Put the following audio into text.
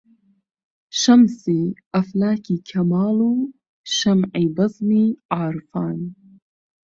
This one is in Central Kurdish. شەمسی ئەفلاکی کەماڵ و شەمعی بەزمی عارفان